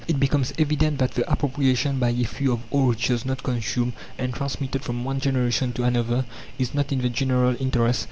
It becomes evident that the appropriation by a few of all riches not consumed, and transmitted from one generation to another, is not in the general interest.